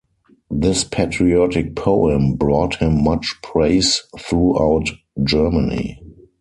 This patriotic poem brought him much praise throughout Germany.